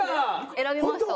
選びました。